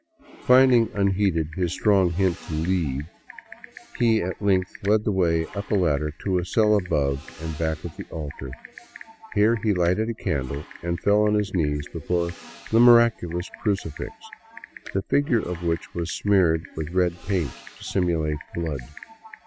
'^ Finding unheeded his strong hint to leave, he at length led the way up a ladder to a cell above and back of the altar. Here he lighted a candle and fell on his knees before the " miraculous " crucifix, the figure of which was smeared with red paint to simulate blood.